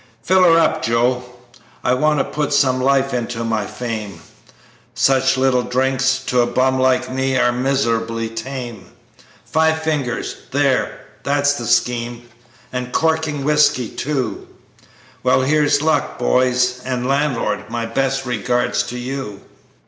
"Fill her up, Joe, I want to put some life into my frame Such little drinks to a bum like me are miserably tame; Five fingers there, that's the scheme and corking whiskey, too. Well, here's luck, boys, and landlord, my best regards to you.